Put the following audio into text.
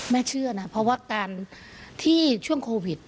เชื่อนะเพราะว่าการที่ช่วงโควิด